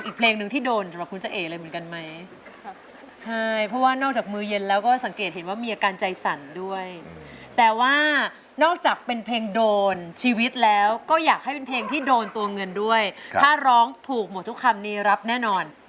ก็อยากให้เป็นเพลงที่โดนตัวเงินด้วยถ้าร้องถูกหมดทุกคำนี้รับแน่นอน